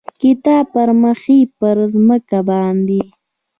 کتاب پړمخې پر مځکه باندې،